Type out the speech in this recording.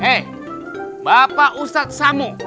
hei bapak ustadz samu